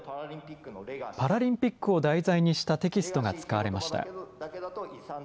パラリンピックを題材にしたテキストが使われました。